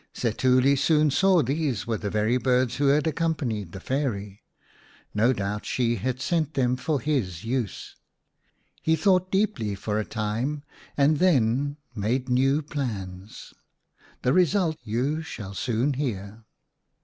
Setuli soon saw these were the very birds who had accompanied the Fairy ; no doubt she had 6 i Or, the King of the Birds sent them for his use. He thought deeply for a time and then made new plans. The result you shall soon hear.